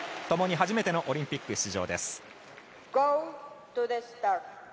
共に初めてのオリンピック出場です。